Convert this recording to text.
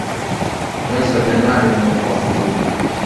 Mwezi wa januari umekuwa mgumu